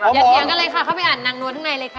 อย่ามาแหงกันเลยเข้าไปอ่านนางนวนข้างในเลยค่ะ